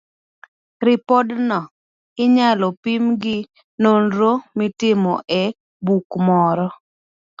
Ripodno inyalo pim gi nonro mitimo e buk moro.